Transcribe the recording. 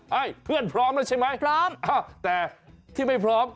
เฮ้ยเพื่อนพร้อมแล้วใช่ไหม